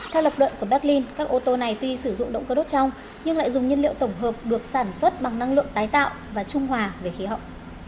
theo lập luận của berlin các ô tô này tuy sử dụng động cơ đốt trong nhưng lại dùng nhiên liệu tổng hợp được sản xuất bằng năng lượng tái tạo và trung hòa về khí hậu